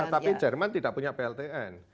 tapi jerman tidak punya pltn